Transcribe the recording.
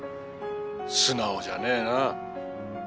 素直じゃねえなあ。